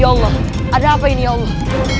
ya allah ada apa ini allah